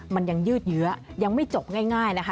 มันยังยืดเยื้อยังไม่จบง่ายนะคะ